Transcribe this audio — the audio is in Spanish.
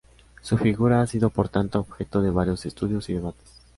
Su figura ha sido por tanto objeto de varios estudios y debates.